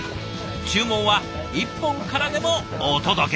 注文は１本からでもお届け。